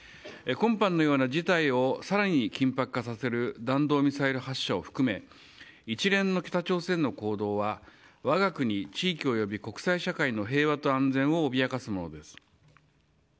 今般のような事態を更に緊迫化させる弾道ミサイル発射を含め一連の北朝鮮の行動は我が国地域および国際社会の平和と安全を脅かすものです。